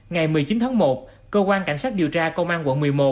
ngày một mươi chín tháng một cơ quan cảnh sát điều tra công an quận một mươi một